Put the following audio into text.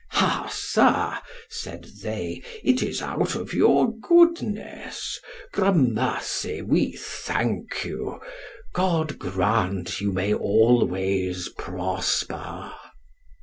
Ha, sir, said they, it is out of your goodness; gramercy, we thank you. God grant you may always prosper.